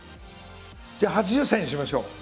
じゃあ８０歳にしましょう。